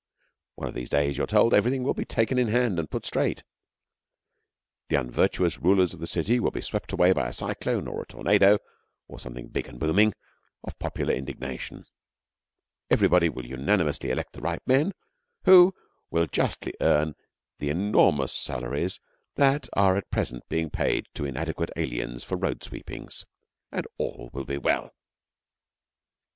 One of these days, you are told, everything will be taken in hand and put straight. The unvirtuous rulers of the city will be swept away by a cyclone, or a tornado, or something big and booming, of popular indignation; everybody will unanimously elect the right men, who will justly earn the enormous salaries that are at present being paid to inadequate aliens for road sweepings, and all will be well.